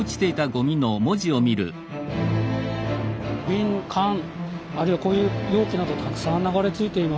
瓶缶あるいはこういう容器などたくさん流れ着いていますね。